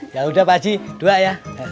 yaudah pak ji dua ya